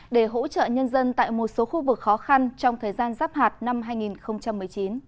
để hỗ trợ nhân dân tại một số khu vực khó khăn trong thời gian giáp hạt năm hai nghìn một mươi chín